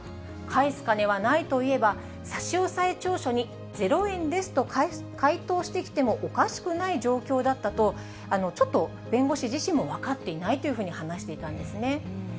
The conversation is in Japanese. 返す金はないといえば、差押調書に０円ですと回答してきてもおかしくない状況だったと、ちょっと弁護士自身も分かっていないというふうに話していたんですね。